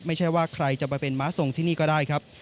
ไม่ใช่ว่าใครจะไปเป็นม้าทรงที่นี่ก็ได้ครับ